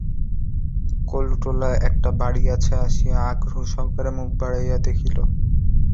কলুটোলায় একটা বাড়ির কাছে আসিয়া আগ্রহসহকারে মুখ বাড়াইয়া দেখিল।